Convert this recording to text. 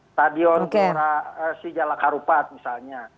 stadion sejala karupat misalnya